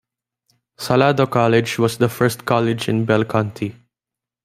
Salado College was the first college in Bell County.